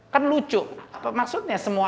kan lucu apa maksudnya semua